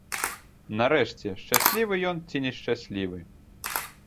Нарэшце, шчаслівы ён ці нешчаслівы.